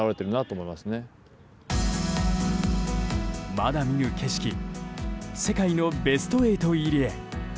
まだ見ぬ景色世界のベスト８入りへ。